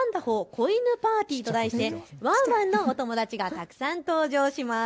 こいぬパーティーと題してワンワンのお友達がたくさん登場します。